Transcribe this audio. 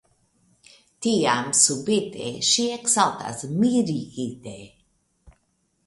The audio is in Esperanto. Tiam subite ŝi eksaltas mirigite.